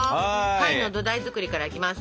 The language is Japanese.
パイの土台作りからいきます。